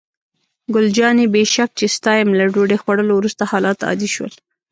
ګل جانې: بې شک چې ستا یم، له ډوډۍ خوړو وروسته حالات عادي شول.